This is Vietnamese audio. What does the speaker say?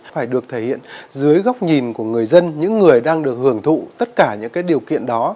phải được thể hiện dưới góc nhìn của người dân những người đang được hưởng thụ tất cả những điều kiện đó